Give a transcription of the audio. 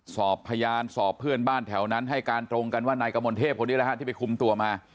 สอบพยานสอบเพื่อนบ้านแถวนั้นให้การตรงกันว่านายกระมวลเทพที่ไปคุมตัวมา